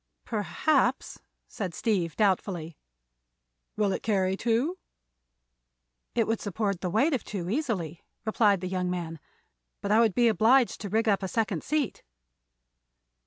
"Perhaps," said Steve, doubtfully. "Will it carry two?" "It would support the weight of two easily," replied the young man; "but I would be obliged to rig up a second seat."